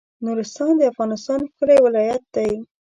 نورستان د افغانستان ښکلی ولایت دی